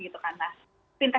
ada utang dan ada ekwisitas